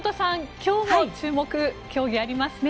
今日も注目競技がありますね。